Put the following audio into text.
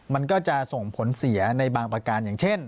มันก็จะส่งผลเสียในบางประการอย่างเช่น